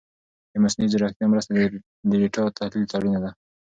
د مصنوعي ځیرکتیا مرسته د ډېټا تحلیل ته اړینه ده.